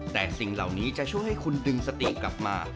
แต่สิ่งเหล่านี้จะช่วยให้คุณดึงสติกลับมา